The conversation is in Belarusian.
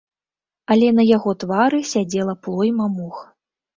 Але на яго твары сядзела плойма мух.